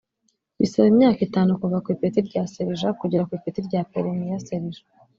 Bisaba imyaka itanu kuva ku ipeti rya Serija kugera ku ipeti rya Peremiye Serija